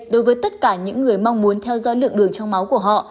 đối với tất cả những người mong muốn theo dõi lượng đường trong máu của họ